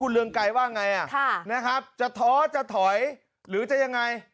เรืองไกรว่าไงนะครับจะท้อจะถอยหรือจะยังไง